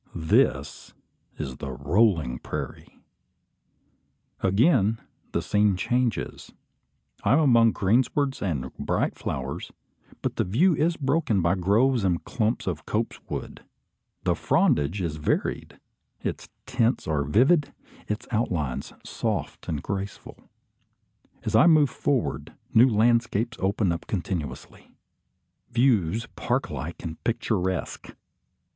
This is the "rolling prairie." Again the scene changes. I am among greenswards and bright flowers; but the view is broken by groves and clumps of copse wood. The frondage is varied, its tints are vivid, its outlines soft and graceful. As I move forward, new landscapes open up continuously: views park like and picturesque.